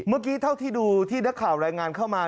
เมื่อกี้เท่าที่ดูที่นักข่าวรายงานเข้ามา